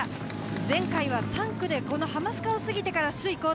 前回は３区で浜須賀を過ぎてから首位交代。